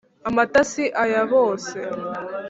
amata si aya bose